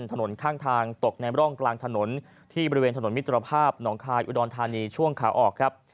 ข้างทางตกในร่องกลางถนนที่บริเวณถนนมิตรภาพหนองคายอุดรธานีช่วงขาออกครับ